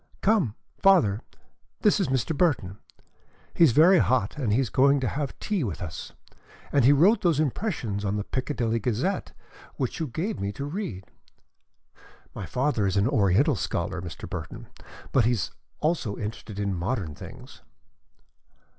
"Come. Father, this is Mr. Burton. He is very hot and he is going to have tea with us, and he wrote those impressions in the Piccadilly Gazette which you gave me to read. My father is an Oriental scholar, Mr. Burton, but he is also interested in modern things."